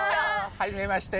はじめまして。